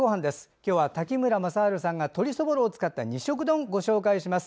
今日は滝村雅晴さんが鶏そぼろを使った二色丼をご紹介します。